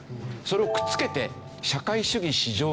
それをくっつけて社会主義市場経済。